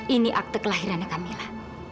ini akte kelahiran kamila